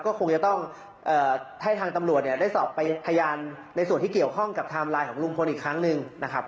ก็คงจะต้องให้ทางตำรวจเนี่ยได้สอบไปพยานในส่วนที่เกี่ยวข้องกับไทม์ไลน์ของลุงพลอีกครั้งหนึ่งนะครับ